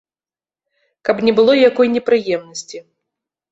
Каб не было якой непрыемнасці.